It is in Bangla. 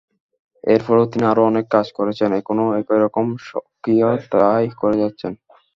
এরপরও তিনি আরও অনেক কাজ করেছেন, এখনো একই রকম সক্রিয়তায় করে যাচ্ছেন।